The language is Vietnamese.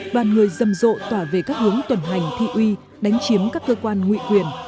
bàn người dâm rộ tỏa về các hướng tuần hành thị uy đánh chiếm các cơ quan nguyện quyền